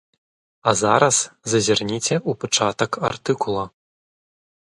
А зараз зазірніце ў пачатак артыкула.